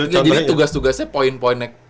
jadi tugas tugasnya poin poinnya